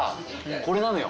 これなのよ。